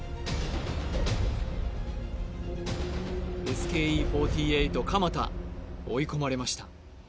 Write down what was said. ＳＫＥ４８鎌田追い込まれました